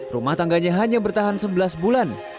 rumah tangganya hanya bertahan sebelas bulan